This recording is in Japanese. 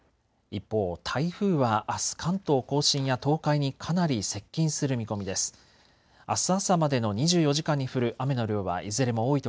一方、台風はあす関東甲信や東海にかなり接近する見込みです。